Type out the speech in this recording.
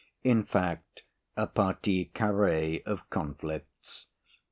In fact, a partie carrée of conflicts.